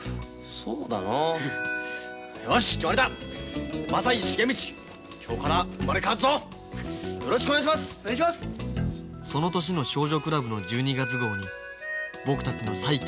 その年の「少女クラブ」の１２月号に僕たちの再起